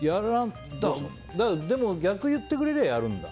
でも、逆を言ってくれればやるんだ。